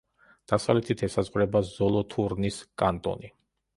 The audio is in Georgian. დასავლეთით ესაზღვრება ზოლოთურნის კანტონი.